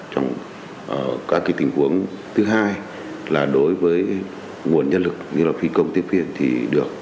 trong các tình huống thứ hai là đối với nguồn nhân lực như là phi công tiếp viên thì được